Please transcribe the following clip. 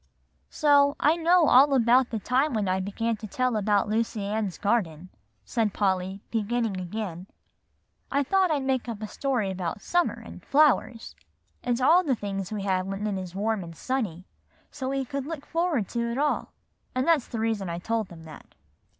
"So, I know all about the time when I began to tell about Lucy Ann's Garden," said Polly, beginning again. "I thought I'd make up a story about summer and flowers, and all the things we have when it is warm and sunny, so we could look forward to it all; and that's the reason I told them that."